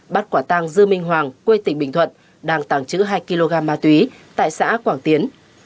bắt quả tăng dư minh hoàng quê tỉnh bình thuận đang tàng trữ hai kg ma túy tại xã quảng tiến